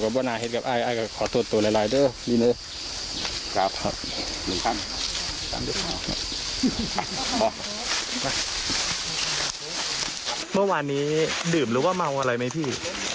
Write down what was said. เมื่อวานนี้ดื่มหรือว่าเมาอะไรไหมพี่